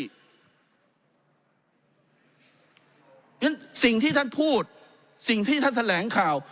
อย่างนั้นสิ่งที่ท่านพูดสิ่งที่ท่านแสดงข่าว